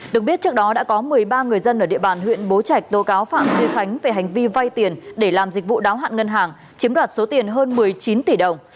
được biết trước đó đã có một mươi ba người dân ở địa bàn huyện bố trạch tố cáo phạm duy khánh về hành vi vay tiền để làm dịch vụ đáo hạn ngân hàng chiếm đoạt số tiền hơn một mươi chín tỷ đồng